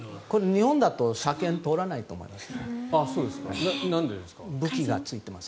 日本だと車検通らないと思います。